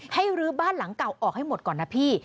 ลื้อบ้านหลังเก่าออกให้หมดก่อนนะพี่